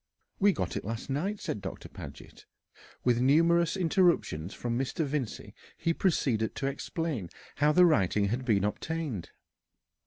"We got it last night," said Doctor Paget. With numerous interruptions from Mr. Vincey, he proceeded to explain how the writing had been obtained.